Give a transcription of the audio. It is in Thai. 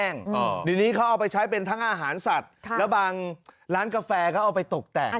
เดี๋ยวนี้เขาเอาไปใช้เป็นทั้งอาหารสัตว์แล้วบางร้านกาแฟเขาเอาไปตกแต่ง